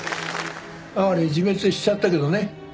哀れ自滅しちゃったけどね。